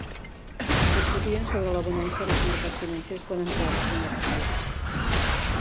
Discutien sobre la bonança dels mercats financers quan ha entrat la primera noia.